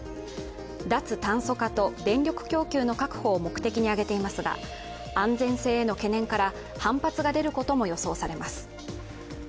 脱炭素化と電力供給の確保を目的にあげていますが安全性への懸念から反発が出ることも予想されます。